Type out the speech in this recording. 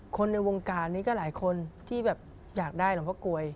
คนในวงการนี้ก็หลายคนที่แบบอยากได้หลวงพ่อกลวย